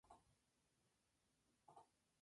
Un conocido festival de verano en Japón.